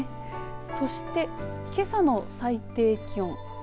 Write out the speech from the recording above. そしてけさの最低気温。